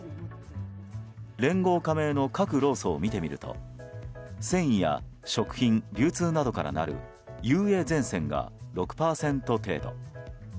連合加盟の各労組を見てみると繊維や食品・流通などからなるＵＡゼンセンが６％程度。